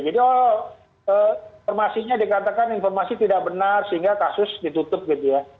jadi oh informasinya dikatakan informasi tidak benar sehingga kasus ditutup gitu ya